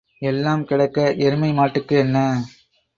எல்லாம் கிடக்க எருமை மாட்டுக்கு என்ன?